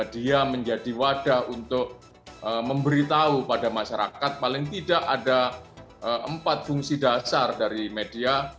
dia menjadi wadah untuk memberitahu pada masyarakat paling tidak ada empat fungsi dasar dari media